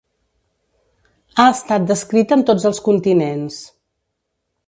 Ha estat descrita en tots els continents.